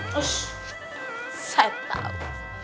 ssss saya tahu